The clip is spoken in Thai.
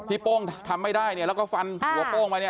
โป้งทำไม่ได้เนี่ยแล้วก็ฟันหัวโป้งมาเนี่ย